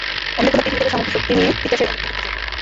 অন্য কোনো পৃথিবী থেকে সমগ্র শক্তি নিয়ে পিশাচের রাজত্ব করতে চাইল।